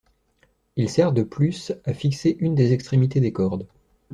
Il sert de plus à fixer une des extrémités des cordes.